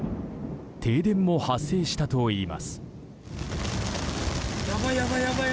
停電も発生したといいます。